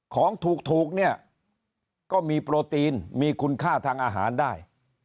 ของถูกเนี่ยก็มีโปรตีนมีคุณค่าทางอาหารได้